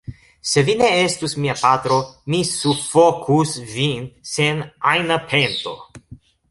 Se vi ne estus mia patro, mi sufokus vin sen ajna pento.